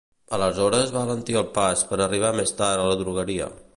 Aleshores va alentir el pas per arribar més tard a la drogueria.